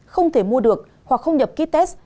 không thể mua được hoặc không nhập kit test